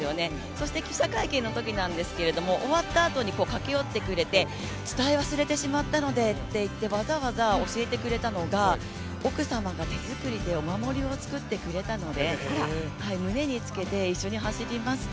そして記者会見のときなんですけど終わったあとに駆け寄ってくれて、伝え忘れてしまったのでといって、わざわざ教えてくれたのが奥様が手作りでお守りを作ってくれたので胸につけて一緒に走りますと。